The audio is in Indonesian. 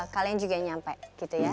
kalian juga nyampe gitu ya